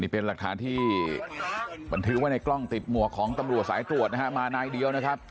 เป็นหลักฐานที่บันทึกไว้ในกล้องติดหมวกของตำรวจสายตรวจนะฮะมานายเดียวนะครับ